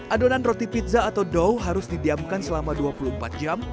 adonan roti pizza atau dow harus didiamkan selama dua puluh empat jam